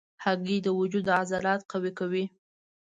هګۍ د وجود عضلات قوي کوي.